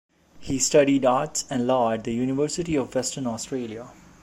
He studied Arts and Law at the University of Western Australia.